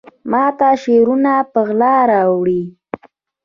ماته شعرونه په غلا راوړي